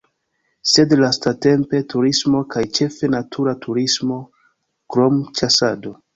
Sed lastatempe turismo kaj ĉefe natura turismo, krom ĉasado.